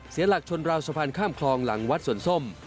เสียหลักชนราวสะพานข้ามคลองหลังวัดสวนส้ม